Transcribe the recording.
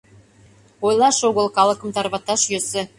— Ойлаш огыл, калыкым тарваташ йӧсӧ...